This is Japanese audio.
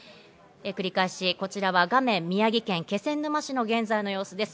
繰り返しこちらの画面、宮城県気仙沼市の現在の様子です。